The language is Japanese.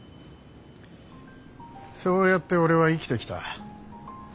そうやって俺は生きてきた。